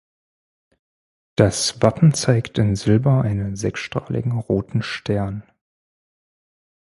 Das Wappen zeigt in Silber einen sechsstrahligen roten Stern.